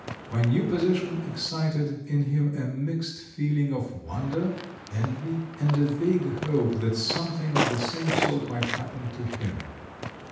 My new position excited in him a mixed feeling of wonder, envy, and a vague hope that something of the same sort might happen to him.